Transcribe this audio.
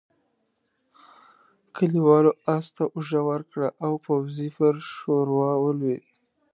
کليوالو آس ته اوږه ورکړه او پوځي پر ښوروا ولوېد.